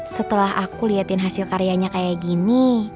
setelah aku liatin hasil karyanya kayak gini